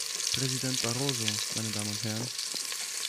Präsident Barroso, meine Damen und Herren!